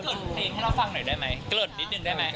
เพลงให้เราฟังหน่อยได้ไหมเกริ่นนิดนึงได้ไหม